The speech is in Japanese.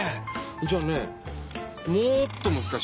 じゃあねもっとむずかしいの。